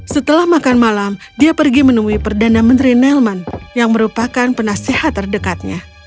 setelah makan malam dia pergi menemui perdana menteri nelman yang merupakan penasehat terdekatnya